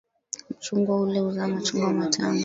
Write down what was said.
Mchungwa ule huzaa machungwa matamu.